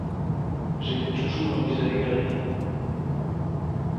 J'aimais toujours amuser la galerie.